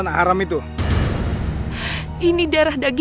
kamu berapa